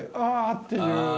っていう。